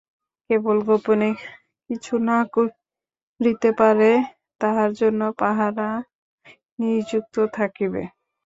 কেবল গােপনে কিছু না করিতে পারে তাহার জন্য পাহারা নিযুক্ত থাকিবে।